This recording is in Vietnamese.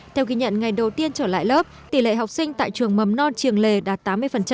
theo ghi nhận ngày đầu tiên trở lại lớp tỷ lệ học sinh tại trường mầm non trường lề đạt tám mươi